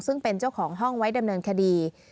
ซึ่งเป็นเจ้าของห้องไว้ดำเนินคดี